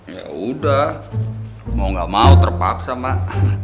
yaudah mau gak mau terpaksa mbak